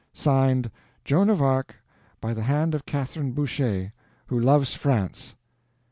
Signed, JOAN OF ARC, by the hand of CATHERINE BOUCHER, who loves France.'"